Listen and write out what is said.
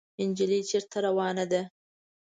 انجلۍ چېرته روانه ده ؟